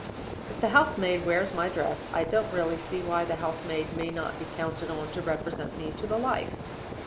If the house maid wears my dress, I don't really see why the house maid may not be counted on to represent me to the life.